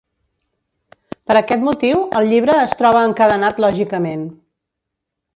Per aquest motiu, el llibre es troba encadenat lògicament.